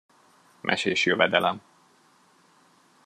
Mesés jövedelem.